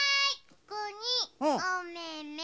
ここにおめめ。